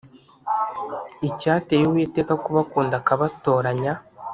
Icyateye Uwiteka kubakunda akabatoranya